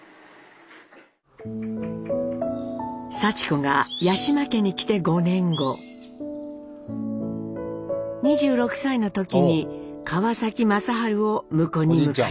さち子が八嶋家に来て５年後２６歳の時に川正治を婿に迎えます。